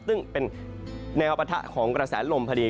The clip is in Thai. ซึ่งเป็นแนวปะทะของกระแสลมพอดี